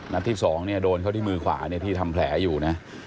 นัฏที่สองเนี่ยโดนเขาที่มือขวาเนี่ยที่ทำแผลอยู่นะ